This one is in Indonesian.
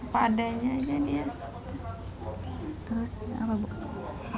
padanya aja dia